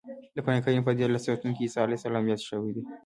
د قرانکریم په دیارلس سورتونو کې عیسی علیه السلام یاد شوی دی.